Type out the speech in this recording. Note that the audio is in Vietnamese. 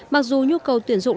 mặc dù nhu cầu tuyển dụng